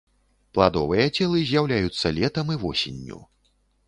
Пладовыя целы з'яўляюцца летам і восенню.